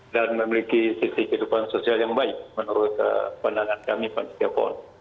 dan memiliki sisi kehidupan sosial yang baik menurut pandangan kami panitia pon